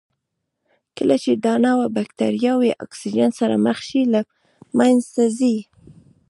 کله چې دا نوعه بکټریاوې اکسیجن سره مخ شي له منځه ځي.